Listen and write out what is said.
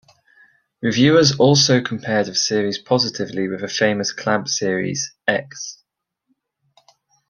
Reviewers also compared the series positively with the famous Clamp series "X".